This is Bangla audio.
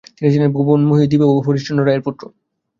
তিনি ছিলেন ভুবনমোহিনী দেবী ও হরিশচন্দ্র রায়ের পুত্র।